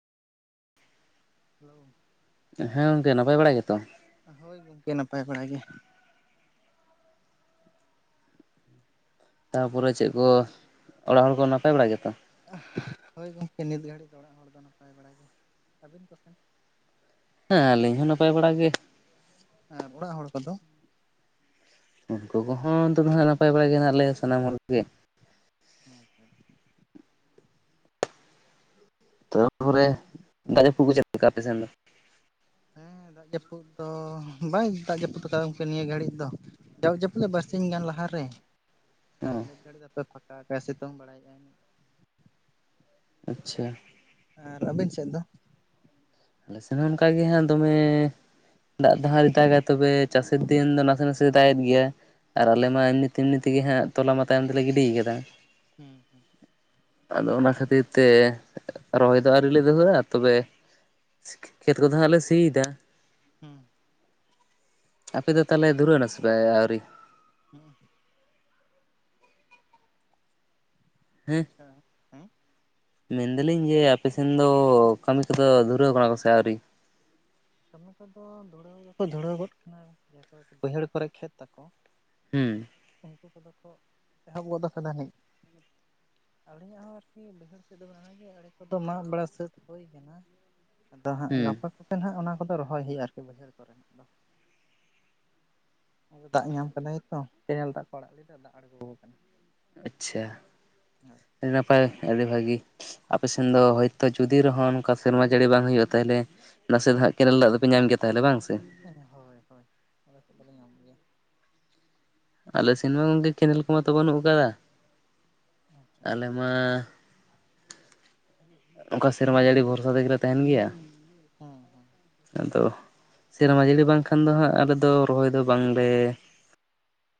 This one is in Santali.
ᱦᱮᱞᱳᱣ᱾ ᱦᱮᱸ ᱜᱚᱝᱠᱮ ᱱᱟᱯᱟᱭ ᱵᱟᱲᱟ ᱜᱮᱛᱚ᱾ ᱦᱳᱭ ᱜᱚᱝᱠᱮ ᱱᱟᱯᱟᱭ ᱵᱟᱲᱟ ᱜᱮ᱾ ᱛᱟᱯᱚᱨᱮ ᱪᱮᱜ ᱠᱚ ᱚᱲᱟᱜ ᱦᱚᱲ ᱠᱚ ᱱᱟᱯᱟᱭ ᱵᱟᱲᱟᱭ ᱜᱮ ᱛᱚ? ᱦᱳᱭ ᱜᱚᱝᱠᱮ ᱱᱤᱛ ᱜᱷᱟᱹᱲᱤᱡ ᱫᱚ ᱚᱲᱟᱜ ᱦᱚᱲ ᱫᱚ ᱱᱟᱯᱟᱭ ᱵᱟᱲᱟᱭ ᱜᱮ ᱟᱹᱵᱤᱱ ᱠᱚ ᱥᱮᱱ? ᱦᱮᱸ ᱟᱹᱞᱤᱧ ᱦᱚᱸ ᱱᱟᱯᱟᱭ ᱵᱟᱲᱟ ᱜᱮ᱾ ᱟᱨ ᱚᱲᱟᱜ ᱦᱚᱲ ᱠᱚᱫᱚ? ᱩᱱᱠᱩ ᱠᱚᱦᱚᱸ ᱱᱤᱛᱚᱜ ᱫᱚ ᱦᱟᱸᱜ ᱱᱟᱯᱟᱭ ᱵᱟᱲᱟ ᱜᱮ ᱦᱮᱱᱟᱜ ᱞᱮᱭᱟ ᱥᱟᱱᱟᱢ ᱦᱚᱲ ᱜᱮ᱾ ᱟᱹᱪᱪᱷᱟ᱾ ᱛᱟᱨᱯᱚᱨᱮ ᱫᱟᱜ ᱡᱟᱹᱯᱩᱫ ᱫᱚ ᱪᱮᱫ ᱞᱮᱠᱟ ᱟᱯᱮ ᱥᱮᱱ ᱫᱚ? ᱦᱮᱸ ᱫᱟᱜ ᱡᱟᱹᱯᱩᱫ ᱫᱚ ᱵᱟᱭ ᱫᱟᱜ ᱡᱟᱹᱯᱩᱫ ᱟᱠᱟᱫᱟ ᱜᱚᱢᱠᱮ ᱱᱤᱭᱟᱹ ᱜᱷᱟᱹᱲᱤᱡ ᱫᱚ ᱡᱟᱣ ᱡᱟᱹᱯᱩᱫ ᱵᱟᱨᱥᱤᱧ ᱜᱟᱱ ᱞᱟᱦᱟᱨᱮ ᱟᱨ ᱦᱮᱸ ᱱᱤᱛ ᱜᱷᱟᱹᱲᱤᱡ ᱛᱚ ᱯᱷᱟᱸᱠᱟ ᱥᱤᱛᱩᱝ ᱵᱟᱲᱟᱭᱮᱜᱼ ᱟᱭ ᱟᱪᱪᱷᱟ ᱟᱨ ᱟᱹᱵᱤᱱ ᱥᱮᱫ ᱫᱚ᱾ ᱟᱞᱮ ᱥᱮᱱ ᱦᱚᱸ ᱚᱱᱠᱟᱜᱮ ᱦᱟᱸᱜ ᱫᱚᱢᱮ ᱫᱟᱜ ᱫᱚ ᱦᱟᱸᱜ ᱟᱣᱨᱮ ᱫᱟᱜ ᱟ ᱛᱚᱵᱮ ᱪᱟᱥᱮᱨ ᱫᱤᱱ ᱫᱚ ᱱᱟᱥᱮ ᱱᱟᱥᱮ ᱫᱟᱜ ᱮᱫ ᱜᱮᱭᱟ ᱟᱨ ᱟᱞᱮ ᱢᱟ ᱮᱢᱱᱤ ᱮᱢᱱᱤ ᱛᱮᱜᱮ ᱦᱟᱸᱜ ᱛᱚᱞᱟ ᱛᱟᱭᱚᱢ ᱛᱮᱞᱮ ᱜᱤᱰᱤ ᱟᱠᱟᱫᱟ ᱦᱩᱸ ᱦᱩᱸ ᱟᱫᱚ ᱚᱱᱟ ᱠᱷᱟᱹᱛᱤᱨ ᱛᱮ ᱨᱚᱦᱚᱭ ᱫᱚ ᱟᱹᱣᱨᱤ ᱞᱮ ᱫᱷᱩᱜᱟ. ᱜᱼᱟ ᱛᱚᱵᱮ ᱠᱷᱮᱛ ᱠᱚᱫᱚ ᱦᱟᱸᱜ ᱞᱮ ᱥᱤ ᱮᱫᱟ ᱦᱮᱸ ᱟᱯᱮᱫᱚ ᱛᱟᱦᱚᱞᱮ ᱫᱷᱩᱨᱟᱹᱣ ᱱᱟ ᱥᱮ ᱯᱮ ᱟᱹᱣᱨᱤ ᱦᱮᱸ ᱦᱮᱸ ᱟᱪ ᱦᱮᱸ [unintelligible] ᱢᱮᱱ ᱫᱟᱹᱞᱤᱧ ᱡᱮ ᱟᱯᱮᱥᱮᱱ ᱫᱚ ᱠᱟᱹᱢᱤ ᱠᱚᱫᱚ ᱫᱷᱩᱨᱟᱹᱣ ᱠᱟᱱᱟ ᱠᱚᱥᱮ ᱟᱹᱣᱨᱤ ᱠᱟᱹᱢᱤ ᱠᱚᱫᱚ ᱫᱷᱩᱲᱟᱹᱣ ᱫᱚᱠᱚ ᱫᱷᱩᱲᱟᱹᱣ ᱜᱚᱫ ᱠᱟᱱᱟ ᱡᱟᱭ ᱠᱚ ᱵᱟᱹᱭᱦᱟᱹᱲ ᱠᱚᱨᱮ ᱠᱷᱮᱛ ᱛᱟᱠᱚ ᱦᱩᱸ ᱩᱱᱠᱩ ᱠᱚᱫᱚ ᱠᱚ ᱮᱦᱚᱵ ᱜᱚᱫ ᱠᱟᱫᱟ ᱟᱹᱞᱤᱧᱟᱜ ᱦᱚᱸ ᱟᱨᱠᱤ ᱵᱟᱹᱭᱦᱟᱹᱲ ᱥᱮᱫ ᱫᱚ ᱢᱮᱱᱟᱜ ᱟᱸᱜᱤ ᱟᱲᱮ ᱠᱚᱫᱚ ᱢᱟᱜ ᱵᱟᱲᱟ ᱥᱟᱹᱛ ᱦᱩᱭ ᱟᱠᱟᱱᱟ ᱟᱫᱚ ᱦᱟᱸᱜ ᱦᱩᱸ ᱜᱟᱯᱟ ᱠᱚᱛᱮ ᱦᱟᱸᱜ ᱚᱱᱟ ᱠᱚᱫᱚ ᱨᱚᱦᱚᱭ ᱦᱩᱭᱩᱜᱼᱟ ᱟᱨᱠᱤ ᱵᱟᱹᱭᱦᱟᱹᱲ ᱠᱚᱨᱮᱱᱟᱜ ᱫᱚ ᱟᱫᱚ ᱫᱟᱜ ᱧᱟᱢ ᱠᱟᱫᱟᱭᱛᱚ ᱠᱮᱱᱮᱞ ᱫᱟᱜ ᱠᱚ ᱟᱲᱟᱜ ᱞᱮᱫᱟ ᱫᱟᱜ ᱟᱬᱜᱚᱣᱟ ᱠᱟᱱᱟ ᱟᱪᱪᱷᱟ ᱟᱹᱰᱤ ᱱᱟᱯᱟᱭ ᱟᱹᱰᱤ ᱵᱷᱟᱹᱜᱤ ᱟᱯᱮ ᱥᱮᱱ ᱫᱚ ᱦᱳᱭᱛᱳ ᱡᱩᱫᱤ ᱨᱮᱦᱚᱸ ᱚᱱᱠᱟ ᱥᱮᱨᱢᱟ ᱡᱟᱹᱲᱤ ᱵᱟᱝ ᱦᱩᱭᱩᱜᱼᱟ ᱛᱟᱦᱚᱞᱮ ᱱᱟᱥᱮ ᱫᱷᱟᱦ ᱠᱮᱱᱮᱞ ᱫᱟᱜ ᱫᱚᱯᱮ ᱧᱟᱢ ᱜᱮᱭᱟ ᱛᱟᱦᱚᱞᱮ ᱵᱟᱝ ᱥᱮ ᱦᱳᱭ ᱦᱳᱭ ᱟᱞᱮ ᱥᱮᱫ ᱫᱚᱞᱮ ᱧᱟᱢ ᱜᱮᱭᱟ ᱟᱞᱮ ᱥᱤᱱᱢᱟ ᱜᱚᱝᱠᱮ ᱠᱮᱱᱮᱞ ᱠᱚᱢᱟ ᱛᱚ ᱵᱟᱹᱱᱩᱜ ᱟᱠᱟᱫᱟ ᱟᱪᱪᱷᱟ ᱟᱞᱮ ᱢᱟ ᱚᱠᱟ ᱥᱮᱨᱢᱟ ᱡᱟᱹᱲᱤ ᱵᱷᱚᱨᱥᱟ ᱛᱮᱜᱮᱞᱮ ᱛᱟᱦᱮᱱ ᱜᱮᱭᱟ ᱦᱮᱸ ᱦᱮᱸ ᱟᱫᱚ ᱥᱮᱨᱢᱟ ᱡᱟᱹᱲᱤ ᱵᱟᱝᱠᱷᱟᱱ ᱫᱚ ᱦᱟᱸᱜ ᱟᱞᱮᱫᱚ ᱨᱚᱦᱚᱭ ᱫᱚ ᱵᱟᱝᱞᱮ